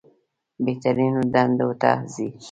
بهترینو دندو ته ځي.